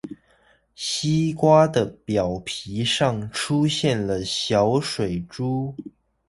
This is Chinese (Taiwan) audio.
西瓜的表皮上出現了小水珠